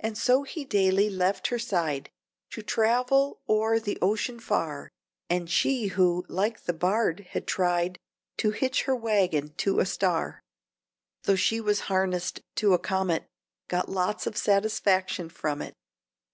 And so he daily left her side To travel o'er the ocean far, And she who, like the bard, had tried To "hitch her wagon to a star," Though she was harnessed to a comet, Got lots of satisfaction from it.